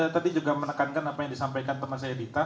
tadi juga menekankan apa yang disampaikan teman saya dita